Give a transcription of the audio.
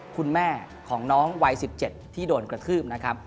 คุณแม่ของน้องวัย๑๗ที่โดนกระทืบนะครับ